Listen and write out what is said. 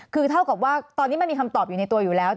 คือเท่ากับว่าตอนนี้มันมีคำตอบอยู่ในตัวอยู่แล้ว